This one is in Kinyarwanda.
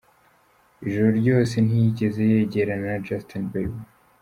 Ijoro ryose ntiyigeze yegerana na Justin Bieber.